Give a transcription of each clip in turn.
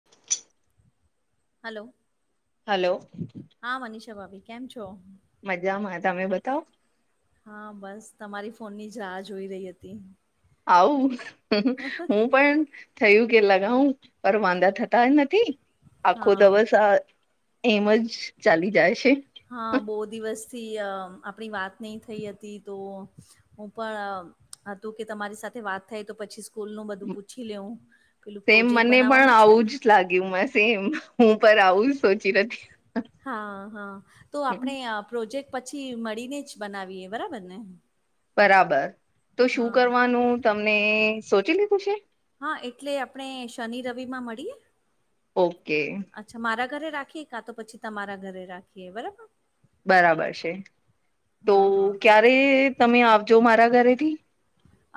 [inaudible] Hello. Hello. હા, મનીષા ભાભી કેમ છો? મજામાં તમે બતાવો. હા, બસ તમારી ફોનની જ રાહ જોઈ રહી હતી. આવુ હું પણ થયું કે લગાવું પર વાંધા થતા જ નથી આખો હા દિવસ આ એમજ ચાલી જાય છે. હા, બો દિવસથી અ આપણી વાત નઈ થઈ હતી તો હું પણ અ હતું કે તમારી સાથે વાત થઈ તો પછી સ્કૂલનું બધું પૂછી લેવું પેલું સેમ પ્રોજેક્ટ મને પણ બનાવવાનું છે આવું જ ને લાગ્યું સેમ. હું પણ આવું જ સોચી રથી. હા, હા તો આપણે પ્રોજેક્ટ પછી મળીને જ બનાવીએ બરાબરને. બરાબર. તો શું કરવાનું તમને સોચી લીધું છે? હા, એટલે આપણે શનિ રવિમાં મળીએ. ઓકે. અચ્છા, મારા ઘરે રાખીએ કાતો પછી તમારા ઘરે રાખીએ બરાબર. બરાબર છે તો હા હા ક્યારે તમે આવજો મારા ઘરેથી.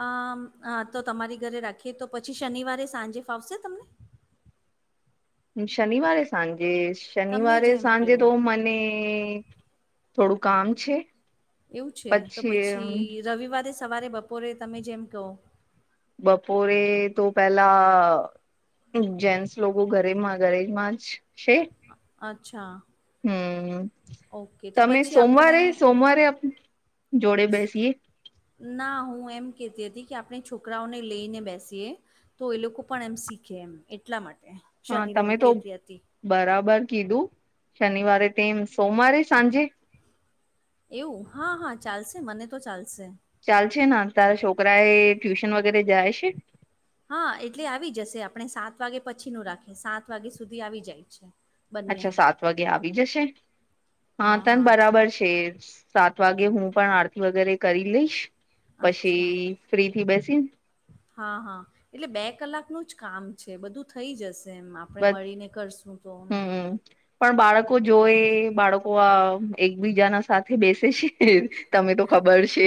આ તો તમારી ઘરે રાખીએ તો પછી શનિવારે સાંજે ફાવશે તમને? શનિવારે સાંજે તમે શનિવારે જેમ કહો. સાંજે તો મને થોડું કામ છે. એવું છે તો પછી રવિવારે સવારે બપોરે તમે જેમ કહો. બપોરે તો પેલા જેન્ટ્સ લોકો ઘરેમાં ઘરે માં જ છે. અચ્છા. હમ ઓકે તો તમે પછી આપણે સોમવારે સોમવારે આપ જોડે બેસીએ ના હું એમ કહેતી હતી કે આપણે છોકરાઓને લઈને બેસીએ તો એ લોકો પણ એમ શીખે એમ એટલા માટે. હા શનિ રવિ તમે તો કહેતી હતી. બરાબર કીધું શનિવારે તેમ સોમવારે સાંજે એવું હા હા ચાલશે મને તો ચાલશે. ચાલ છે, ને તારા છોકરા એ ટ્યુશન વગેરે જાય છે? હા એટલે આવી જશે આપણે સાત વાગે પછી નું રાખીએ સાત વાગે સુધી આવી જાય છે. બંને અચ્છા સાત વાગે આવી જશે હા તને બરાબર છે, સાત વાગે હું પણ આરતી વગેરે કરી લઈશ અચ્છા પછી ફ્રી થી બેસી હા હા એટલે બે કલાકનું જ કામ છે, બધું થઈ જશે એમ આપણે મળીને કરશું તો હમ પણ બાળકો જોએ બાળકો આ એકબીજાના સાથે બેસે છે. તમે તો ખબર છે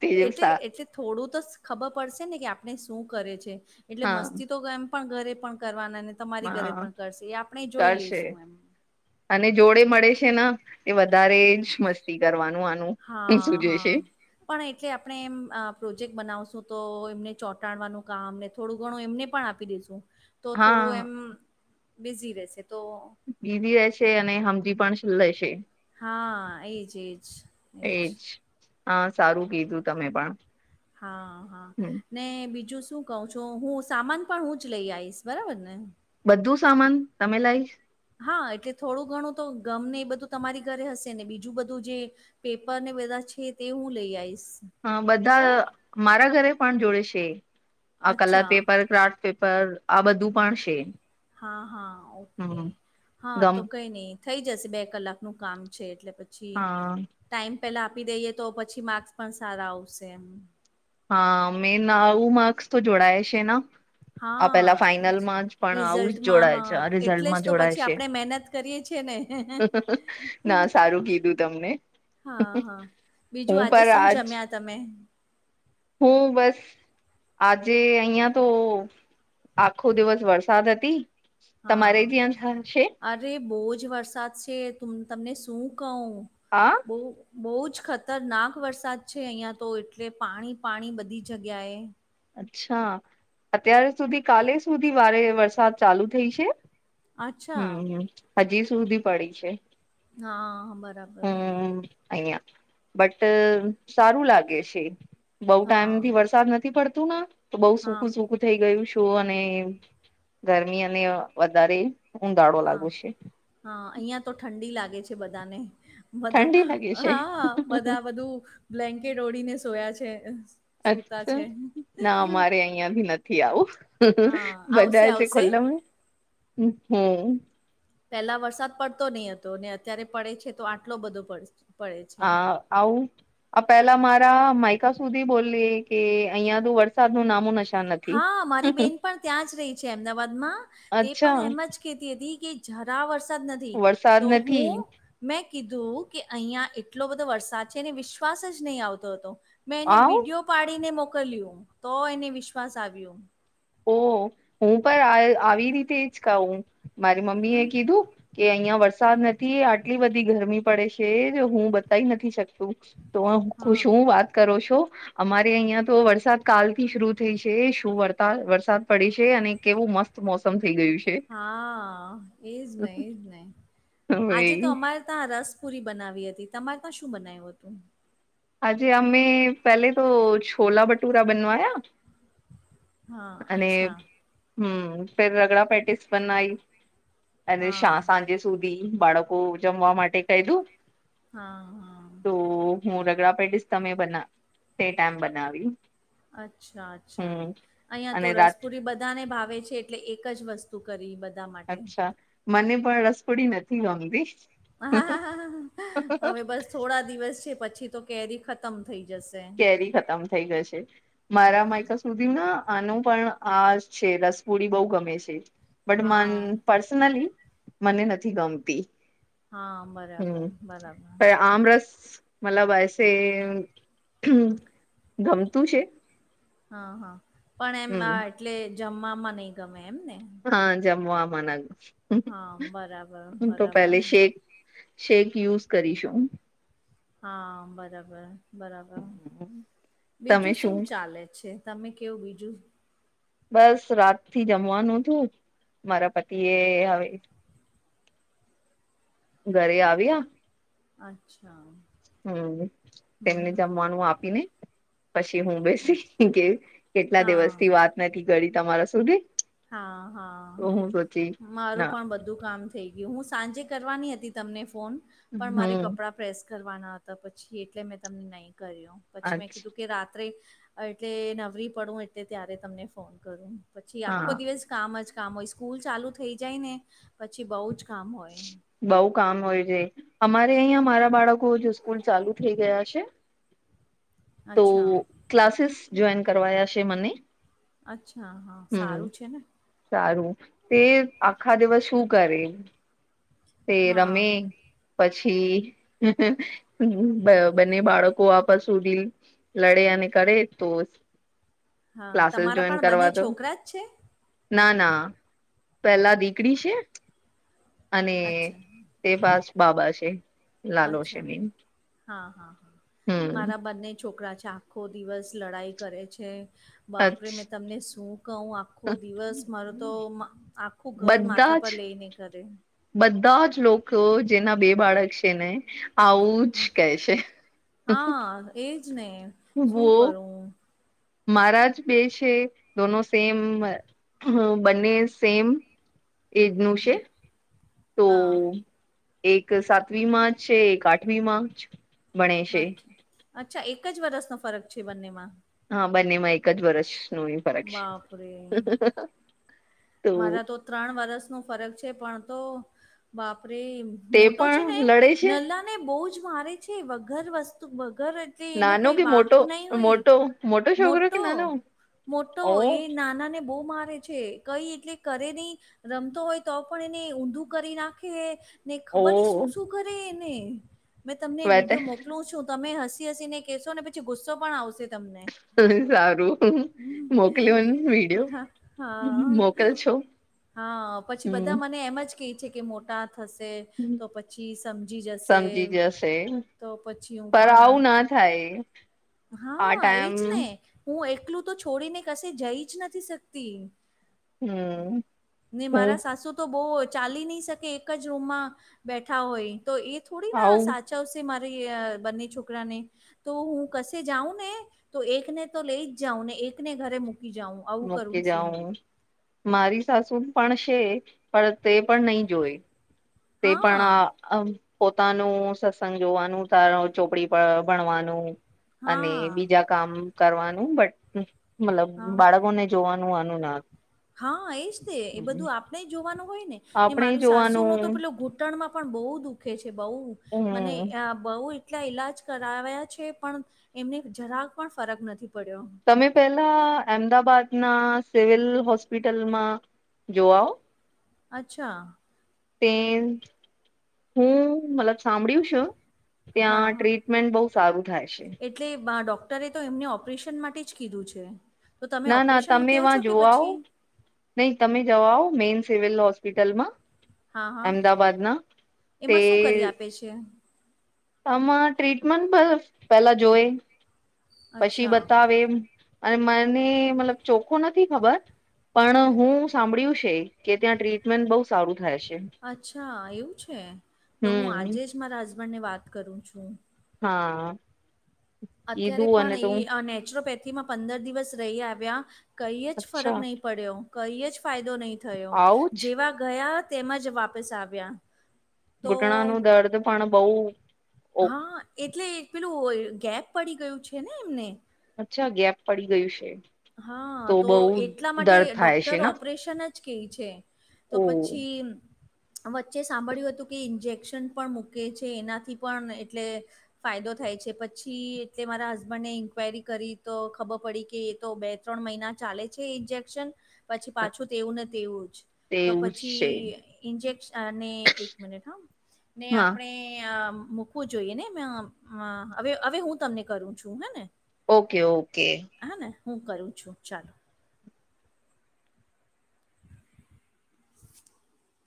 તે એટલે સા એટલે થોડું તો ખબર પડશે ને કે આપણે શું કરે છે, એટલે મસ્તી તો કે એમ પણ ઘરે પણ કરવાના ને તમારી ઘરે હા પણ કરશે એ આપણે જોઈ કરશે લઈશું એમ. અને જોડે મળે છે, ને એ વધારે જ મસ્તી કરવાનું આનું હા સૂજે છે હા. પણ એટલે આપણે એમ પ્રોજેક્ટ બનાવશું તો એમને ચોંટાડવાનું કામને થોડું ઘણું એમને પણ આપી દેશું તો હા થોડું એમ બિઝી રહેશે તો બીઝી રશે અને હમજી પણ લેશે. હા એજ એજ એજ. હા સારું કીધું તમે પણ. હા હા. હમ ને બીજું શું કહું છું હું સામાન પણ હું જ લઈ આવીઈશ બરાબર ને? બધું સામાન તમે લાઈસ હા એટલે થોડું ઘણું તો ગમને એ બધું તમારી ઘરે હશે ને બીજું બધું જે પેપર ને બધા છે, તે હું લઈ આઈશ. હ બધા મારા ઘરે પણ જોડે છે, આ કલર અચ્છા પેપર, ક્રાફ્ટ પે પર આ બધું પણ છે. હા હા ઓકે હમ હા ગમ તો કઈ નહી થઈ જશે બે કલાક નું કામ છે, એટલે પ છી હા ટાઈમ પેલા આપી દઈએ તો પછી માર્ક્સ પણ સારા આવશે એમ. હા મેન આવું માર્ક્સ તો જોડાય છે ના હા એજ આવું જ રિઝલ્ટમાં જોડાય છે હા એટલે જ રિઝલ્ટમાં તો જોડાય પછી છે આપણે મહેનત કરીએ છે ને. ના સારું કીધું તમને હા હા બીજું હું આજે પર શું આજ જમ્યા તમે? હું બસ આજે અહિંયા તો આખો દિવસ વરસાદ હતી. તમારે હા ત્યાં છે અરે બહુ જ વરસાદ છે, તમને શું કહું. હા. બહુ બહુ જ ખતરનાક વરસાદ છે, અહીંયા તો એટલે પાણી પાણી બધી જગ્યાએ અચ્છા અત્યાર સુધી કાલે સુધી વારે વરસાદ ચાલુ થઈ છે? અચ્છા હમ હ હજી સુધી પડી છે. હા બરાબર. અહિંયા બટ સારું લાગે છે, બઉ ટાઈમ હા થી વરસાદ નથી પડ તો ન બઉ હા સુખું સુખું થઈ ગયું છું, અને ગરમી અને વધારે ઉધાળો હા લાગે છે. હા અહિયાં તો ઠંડી લાગે છે, બધાને બધા ઠંડી લાગે છે. હા બધા બધું બ્લેન્કેટ ઓળીને સોયા છે. સૂતા અચ્છા છે ના મારે અહંથી નથી આવું હા આવશે બધા છે આવશે ખુલ્લ હમ્મ પેલા વરસાદ પડતો નહ હતો અત્યારે પડે છે તો આટલો બધો પડશે. હા આવું. આ પેલા મારા માયકા સુધી બોલીએ કે અહિયાયા તો વરસાદ નું નામું નશ હા મારી બેન પણ ત્યાં જ રહી છે અમદાવાદમાં તે અચ્છા પણ એમ જ કેતી હતી કે જરા વરસાદ નથી વરસાદ તો નથી હું. મેં કીધું કે અહીયાં એટલો બધો વરસાદ છેને વિશ્વાસ જ નહીં આવતો હતો. મેં એને આવ વિડીયો પાડીને મોકલ્યું તો એને વિશ્વાસ આવ્યો. ઓ હું પણ આવી રીતે જ કહું મારી મમ્મી એ હા કીધું કે અહિયાં વરસાદ નથી આટલી બધી ગરમી પડે છે હું બતાય નથી શકતુ. તો ખુશ હા હું વાત કરો છો અમારે અહિયાં તો વરસાદ કાલ થી શરૂ થઈ છે શું વરસા વરસાદ પડે છે અને કેવું મસ્ત મોસમ થઈ ગયું છે. હા એજ નહ એજ નહ આજે તો ભાઈ અમારે ત્યાં રસ પુરી બનાવી હતી તમારે ત્યાં શું બનાવ્યું હતું. આ જે અમે પહેલે તો છોલા ભટૂરા બનવાયા હા અને અચ્છા હમ્મ ફેર રગડા પે્ટિસ બનાઆઈ અને શા હા સાંજે સુધી બાળકો જમવા માટે કહી દું હા હા. તો હું રગડા પેડીશ તમે બના તે ટાઈમ બનાવ્યુ અચ્છા અચ્છા અહિયાયા અને તો રાત રસપુરી બધાને ભાવે છે એટલે એક જ વસ્ત શું કરી બધા માટે. અચ્છા મને પણ રસપોડી નથી ગમતી. હા હવે બસ થોડા દિવસ છે પછી તો કેરી ખતમ થઇ જશે. કેરી ખતમ થઈ ગશે. મારા માયકા સુધી ના આનું પણ આ છે રસપુડી બહ ગમે છે. બટ મન હા પર્સનલી મને નથી ગમતી. હા બરાબર હમ બરાબર. પણ આમરસ મતલબ એસે હ ગમતું છે. હા હા પણ એમ હમ એટલે જમવામાં નહી ગમે એમને હા જમવા નગ્ હા બરાબર બરાબર. શેક શેક યુઝ કરીશું. હા બરાબર બરાબર બીજું શું ચાલે છે. તમે કેવું બીજું. બસ રાત થી જમવાનું તું મારા પતિ એ હવે ઘરે આવી્યા. અચ્છા હમ્મ હમ તેમને હમ જમવાનું આપીને પછી હું બેસી કે કેટલા દિવસ હા થી વાત નથી કરી તમારા સુધી હા તો હું સોચી હા મારું ના પણ બધું કામ થેય હું સાંજે કરવાની હતી તમને ફોન પણ મારે હમ કપડાં પ્રેસ કરવાના હતા પછી એટલે મેં તમને નહી કર્યું પછી મેં અચ્છા કીધું કે રાત્રે એટલે નવરી પડું એટલે ત્યારે તમને ફોન કરું પછી હા આખો દિવસ કામ જ કામ હોય સ્કૂલ ચાલુ થઈ જાય ને પછી બઉ જ કામ હોય. બઉ કામ હોય છે અમારે અહિયાં મારા બાળકો સ્કૂલ ચાલુ થઇ ગયા છે. તો અચ્છા ક્લાસીસ જોઈન કરવાયા છે મને. અચ્છા હા. હમ સારું છે ને સારું તે આખા દિવસ શું કરે. તે હા રમે પછી. હા બાળકો આપસ સુધીલ લડે અને કરે તો. હા ક્લાસીસ તમારા જોઈન પણ કરવા બંને તો. છોકરા જ છે ના ના પેલા દીકરી છે. અને અચ્છા તે પાસ બાબા છે. લાલો છે અચ્છા મેન હા હા હા હમ મારા બંને છોકરા છે આપ. આખો દિવસ લડાઈ કરે છે બાપરે મેં તમને શું કહું. આખો દિવસ મારો તો આખું ઘર બધા માથા પર જ લઈને કરે. બધા જ લોકો જેના બે બાળક છે ને આવું. જ ક છે હા એજ ને બો. શું કરું મારા જ બે છે દોનો સેમ બંને સેમ. એજનું છે તો. હા એક સાતમી માર્ચ છે એક આઠમી માર્ચ. અચ્છા અચ્છા એક જ વરસનોો ફરક છે બંનેમાં. હા બંનેમાં એક જ વરષ નો એ ફરક છે. બાપરે મારા તો ત્રણ વરસ ન ફરક છે પણ તો બાપરી. તે મોટો છે ને પણ લડે છે નલા ને બહુ જ મારે છે વગર વસ્તુ વગર. તે એનું નાનો કઈ કે વાક મોટો બ નાઈ હોઈ મોટો છોકરો કે મોટો. નાનો મોટો ઓ એ નાના ને બહુ મારે. છે કઈ એટલે કરે નહી રમતો હોય તો પણ એને ઊંધું કરી નાખે. ને ઓ ખબર નહી શું શું કરેને મેં તમને વાત વિડીયો મોક. એટલું છું તમે હસી હસીને કહેશો ને પછી ગુસ્સો પણ આવશે તમને. સારું હમ મોકલ વિડીિયો હા મો. હા હા પછી બધા મને એમ જ કે છે કે મોટા થશે. તો પછી સમજી જશે. સમજી જશે તો પછી હું પર પણ આવું ના થાય આ હા ટાઈમ એજ ને. હું એકલું તો છોડીને કશે જઈ જ નથી શકતી. હમ ને હું મારા સાસુ. તો બહ ચાલી નહી શકે એક જ રૂમમાં બેઠા હોય તો એ થોડી ના આવું સા. ચાવશે મારી બંને છોકરાને. તો હું કશે જાઉં ને તો એકને તો લઈ જ જાઉં ને એકને ઘરે મૂકી જાઉં. આવું કરું મૂકી છું હું. જાઉં મારી સાસુ પણ છે પણ તે પણ નહી જોય તે પણ હા આ. અમ પોતાનું સત્સંગ જોવાનું તાર ચોપડી ભણવાનું. અને હા બીજા કામ કરવાનું બટ મતલબ હા બાળક. ને જોવાનું અનુ ના. હા એજ એ બધું આપણે જોવાનું હોય ને ને આપણે મારી સાસુ નો તો જોવાનું પેલોુટ. ચૂટણમાં પણ બહુ દુઃખે છે બહુ મને હમ બહ. એટલા ઈલાજ કરા્યા છે પણ એમને જરાક પણ ફરક નથી પડ્યો. તમે પહેલા અમદાબાદના સિવિલ હોસ્પિટલમાં જોવાઓ. અચ્છા. તે હું મલા. સાંભળ્યું છે હા ત્યાં હા ટ્રીટમેન્ટ બહુ સારું થાય છે. એટલે ડોક્ટરે તો એમને ઓપરેશન માટે જ કીધું છે. તો તમે ના ના ઓપરેશનમાં તમે કેવો છો એમાં કે જોવાઓ પછી. નહી તમે જવાઓ મેઈન સિવિલ હોસ્પિટલમાં. હા, હા. અમદાબાદના તે. એમાં શું કરી આપે છે? આમાં ટ્રીટમેન્ટ બસ પેલા જોઈ. પછી અચ્છા, બતાવે એ અને મને મતલબ ચોખ્ખો નથી ખબર. પણ હું સાંભળ્યું છે કે ત્યાં ટ્રીટમેન્ટ બહુ સારું થાય છે. અચ્છા એવું છે તો હું હમ આજે જ મારા હસબણ ને વાત કરું છું. હા. અત્યારે કીધું અને તો હું પણ એ નેચરોપેથીમાં પંદર દિવસ રહી આવ્યા કઈ જ ફરક અચ્છા નહીં. પડ્યો કઈ જ ફાયદો નહી થયો આવું જ જેવા ગયા તેમજ વાપસ આવ્યા. તો ઘૂટણા નુ દર્દ પણ બહુ ઓ હા એટલે પેલું ગેપ પડી ગયું છે ને એમને. અચ્છા ગેપ પડી ગયું છે. હા તો એટલા માટે દર્દ થાય છે ડોક્ટર ને ઓપરેશન જ કેઈ છે. તો ઓ પછી વચ્ચે સાંભળ્યું હતું કે ઇન્જેક્શન પણ મૂકે છે એનાથી પણ એટલે ફાયદો થાય છે પછી એટલે મારા હસબન્ડને ઇન્ક્વાયરી કરી તો ખબર પડી કે તો બે ત્રણ મહિના ચાલે છે ઇન્જેક્શન. પછી પાછું તેવું ને તેવું જ તો તેવું જ છે પછી ઇન્જેક્શ અને એક મિનિટ હા અને હા આપણે મુ મૂકવું જોઈએ ને મે હવે હવે હું તમને કરું છું હે ને. Okay okay. હા ને હું કરું છું ચાલો.